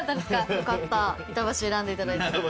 よかった板橋選んでいただいて。